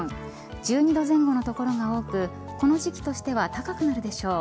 １２度前後の所が多くこの時期としては高くなるでしょう。